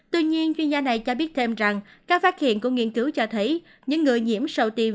tuy nhiên chuyên gia này cho biết thêm rằng các phát hiện của nghiên cứu cho thấy những người nhiễm sau tiêm